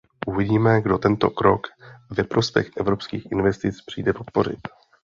Uvidíme, kdo tento krok ve prospěch evropských investic přijde podpořit.